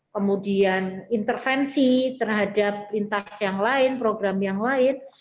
kemudian intervensi terhadap lintas yang lain program yang lain